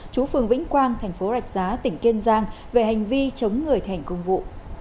chú phường vĩnh quang tp rạch giá tỉnh kiên giang về hành vi chống người thảnh công vụ